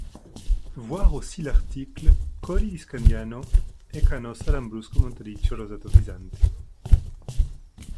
Voir aussi l’article Colli di Scandiano e di Canossa Lambrusco Montericco rosato frizzante.